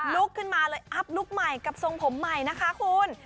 ลุกขึ้นมาเลยอัพลุคใหม่กับทรงผมใหม่นะคะคุณ